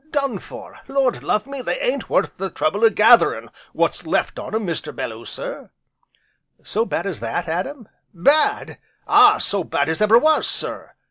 Done for! Lord love me! they ain't worth the trouble o? gatherin' w'ot's left on 'em, Mr. Belloo sir." "So bad as that, Adam?" "Bad! ah, so bad as ever was, sir!"